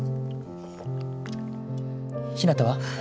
ひなたは？